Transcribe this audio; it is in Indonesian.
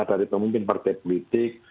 dari pemimpin partai politik